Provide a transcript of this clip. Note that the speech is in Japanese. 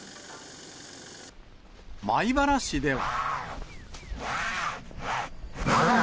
米原市では。